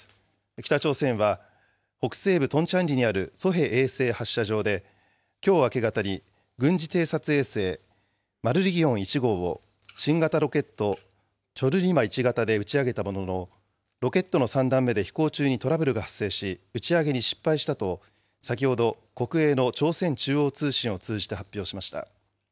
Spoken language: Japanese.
北朝鮮は、北西部トンチャンリにあるソヘ衛星発射場で、きょう明け方に軍事偵察衛星マルリギョン１号を新型ロケットチョルリマ１型で打ち上げたものの、ロケットの３段目で飛行中にトラブルが発生し、打ち上げに失敗したと、先ほど、国営の朝鮮中央通信を通じて発表しました。